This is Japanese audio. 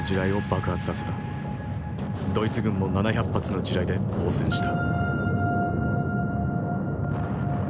ドイツ軍も７００発の地雷で応戦した。